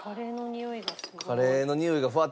カレーのにおいがする。